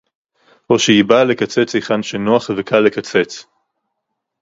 או שהיא באה לקצץ היכן שנוח וקל לקצץ